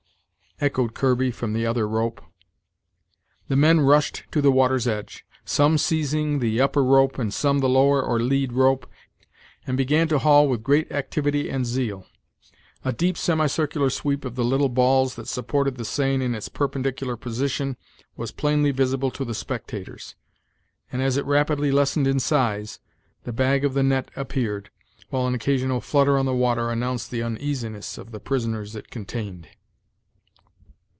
echoed Kirby, from the other rope. The men rushed to the water's edge, some seizing the upper rope, and some the lower or lead rope, and began to haul with great activity and zeal, A deep semicircular sweep of the little balls that supported the seine in its perpendicular position was plainly visible to the spectators, and, as it rapidly lessened in size, the bag of the net appeared, while an occasional flutter on the water announced the uneasiness of the prisoners it contained.